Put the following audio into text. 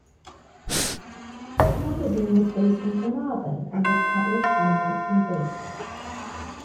The magazine was based in Carmarthen and was published on a monthly basis.